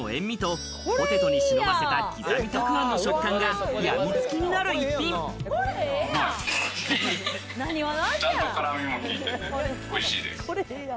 明太子の塩みとポテトに忍ばせた刻みたくあんの食感がやみつきにちゃんと辛みも効いてて、おいしいです。